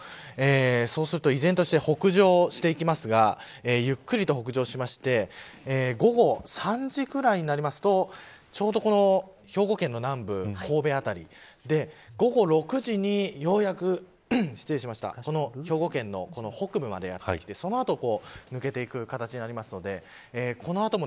そうすると依然として北上していきますがゆっくりと北上しまして午後３時ぐらいになりますとちょうど兵庫県の南部神戸辺りで午後６時にようやく兵庫県の北部まできてその後、抜けていく形になるのでこの後も